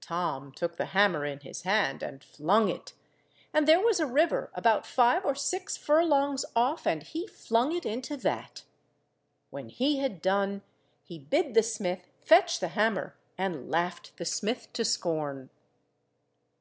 Tom took the hammer in his hand and flung it. And there was a river about five or six furlongs off, and he flung it into that. When he had done, he bid the smith fetch the hammer, and laughed the smith to scorn.